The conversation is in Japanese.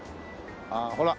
ああほら。